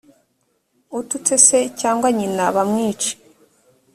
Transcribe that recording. ututse se cyangwa nyina bamwice